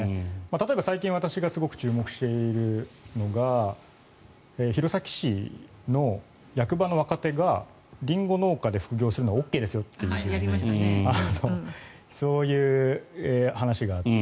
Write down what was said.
例えば最近私がすごく注目しているのが弘前市の役場の若手がリンゴ農家で副業するのはＯＫですよというそういう話があって。